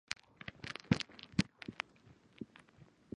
However, it is not as old as nearby Ibb and Jibla.